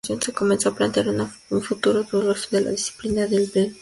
Se comenzó a plantear un futuro dudoso de la disciplina del B-boying.